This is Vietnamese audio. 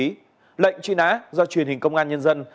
các đối tượng truy ná do truyền hình công an nhân dân